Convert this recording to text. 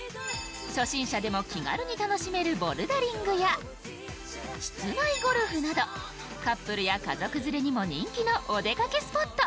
初心者でも気軽に楽しめるボルダリングや室内ゴルフなど、カップルや家族連れにも人気のお出かけスポット。